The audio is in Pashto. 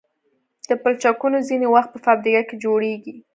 دا پلچکونه ځینې وخت په فابریکه کې جوړیږي